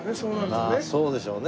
まあそうでしょうね